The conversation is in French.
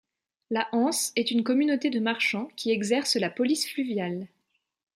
La hanse est une communauté de marchands qui exercent la police fluviale.